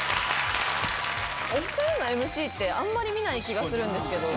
お２人のＭＣってあんまり見ない気がするんですけど。